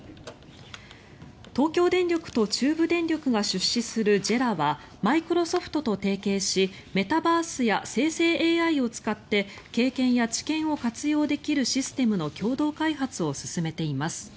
東京電力と中部電力が出資するＪＥＲＡはマイクロソフトと提携しメタバースや生成ＡＩを使って経験や知見を活用できるシステムの共同開発を進めています。